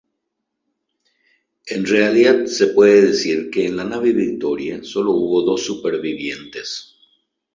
En realidad se puede decir que en la nave "Victoria" solo hubo dos supervivientes.